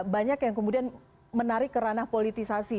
banyak yang kemudian menarik kerana politisasi